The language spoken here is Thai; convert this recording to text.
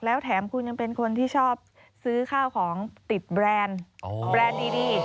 แล้วแถมคุณยังเป็นคนที่ชอบซื้อข้าวของติดแบรนด์แบรนด์ดี